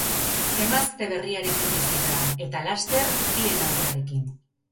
Emazte berriarekin bizi da han, eta, laster, bien haurrarekin.